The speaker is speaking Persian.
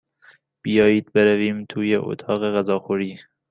بیایید برویم توی اتاق غذاخوری.